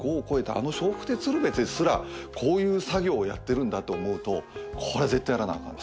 あの笑福亭鶴瓶ですらこういう作業をやってるんだって思うとこれ絶対やらなアカン。